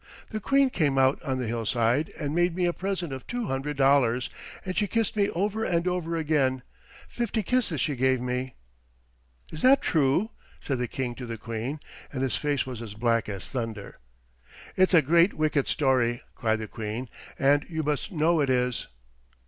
The Queen came out on the hillside and made me a present of two hundred dollars, and she kissed me over and over again; fifty kisses she gave me." "Is that true?" said the King to the Queen; and his face was as black as thunder. "It's a great wicked story," cried the Queen, "and you must know it is."